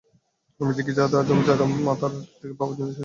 আমি যে কী যদি জানতে পারতে তোমার মাথা থেকে পা পর্যন্ত শিউরে উঠত।